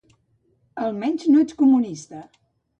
Almenys, no ets comunista.